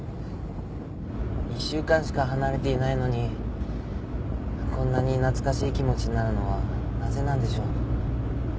一週間しか離れていないのにこんなに懐かしい気持ちになるのはなぜなんでしょう。